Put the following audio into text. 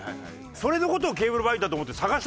それの事をケーブルバイトだと思って。